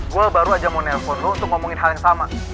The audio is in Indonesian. gue baru aja mau nelpon lo untuk ngomongin hal yang sama